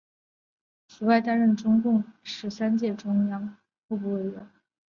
此外担任中共第十二届中央候补委员。